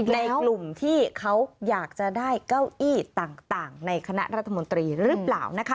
ในกลุ่มที่เขาอยากจะได้เก้าอี้ต่างในคณะรัฐมนตรีหรือเปล่านะคะ